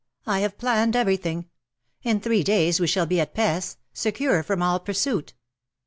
I have planned everything. In three days we shall be at Pesth — secure from all pursuit.